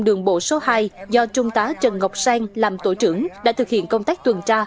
đường bộ số hai do trung tá trần ngọc sang làm tổ trưởng đã thực hiện công tác tuần tra